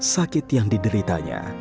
sakit yang dideritanya